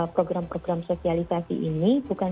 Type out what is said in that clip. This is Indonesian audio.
program program sosialisasi ini bukan